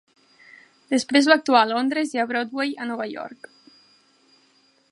Després va actuar a Londres i a Broadway a Nova York.